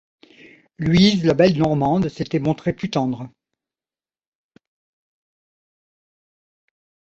Louise, la belle Normande, s’était montrée plus tendre.